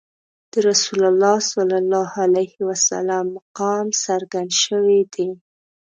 د رسول الله صلی الله علیه وسلم مقام څرګند شوی دی.